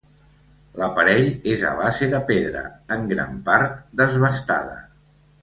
L'aparell és a base de pedra, en gran part desbastada.